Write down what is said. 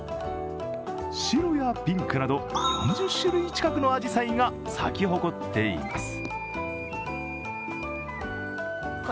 白やピンクなど４０種類近くのあじさいが咲き誇っています。